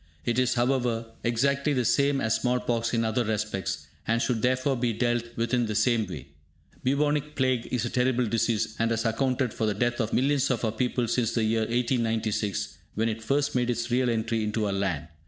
It is, however, exactly the same as small pox in other respects, and should therefore be dealt with in the same way. Bubonic Plague is a terrible disease, and has accounted for the death of millions of our people since the year 1896, when it first made its real entry into our land.